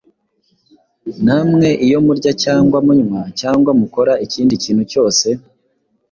namwe iyo murya cyangwa munywa cyangwa mukora ikindi kintu cyose,